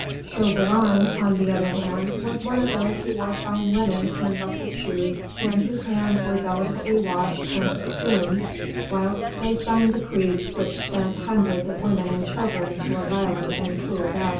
Chauvelin, on the other hand, was one of those who wore fine linen and buckled shoes and whose hands were delicately washed and perfumed whilst they signed decrees which sent hundreds of women and children to a violent and cruel death.